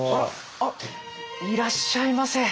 あっいらっしゃいませ。